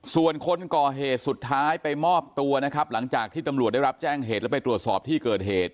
ส่วนคนก่อเหตุสุดท้ายไปมอบตัวนะครับหลังจากที่ตำรวจได้รับแจ้งเหตุแล้วไปตรวจสอบที่เกิดเหตุ